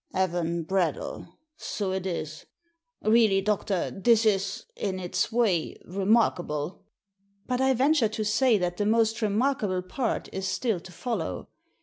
"Evan Bradell — so it is. Really, doctor, this is, in its way, remarkable." "But I venture to say that the most remarkable part is still to follow.